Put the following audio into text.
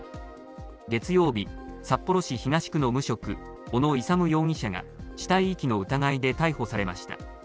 月曜日、札幌市東区の無職、小野勇容疑者が、死体遺棄の疑いで逮捕されました。